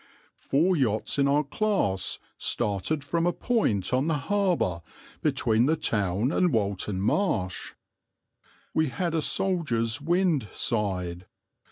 "Four yachts in our class started from a point on the harbour between the town and Walton Marsh. We had a soldier's wind (side).